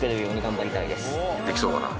できそうかな？